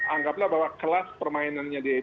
anggaplah bahwa kelas permainan covid sembilan belas